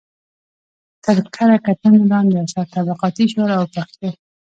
تر کره کتنې لاندې اثر: طبقاتي شعور او پښتو